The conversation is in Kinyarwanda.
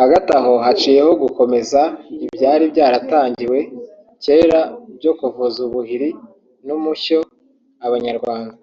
Hagati aho haciyeho gukomeza ibyari byaratangiwe cyera byo kuvuza ubuhiri n’umushyo abanyarwanda